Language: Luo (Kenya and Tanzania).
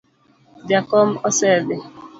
Jakom osedhi